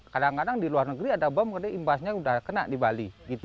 kadang kadang di luar negeri ada bom kadang kadang imbasnya udah kena di bali